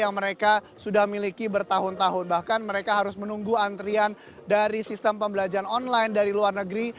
bahkan mereka harus menunggu antrian dari sistem pembelajaran online dari luar negara bahkan mereka harus menunggu antrian dari sistem pembelajaran online dari luar negara